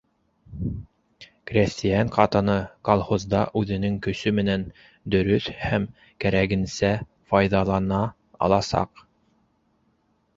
-...Крәҫтиән ҡатыны колхозда үҙенең көсө менән дөрөҫ һәм кәрәгенсә файҙалана аласаҡ.